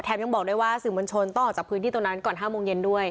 ยังบอกด้วยว่าสื่อมวลชนต้องออกจากพื้นที่ตรงนั้นก่อน๕โมงเย็นด้วย